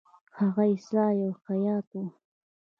هغه اصلاً یو خیاط وو.